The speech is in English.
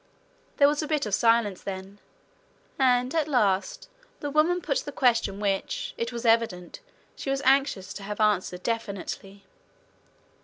There was a bit of a silence then, and at last the woman put the question which, it was evident, she was anxious to have answered definitely.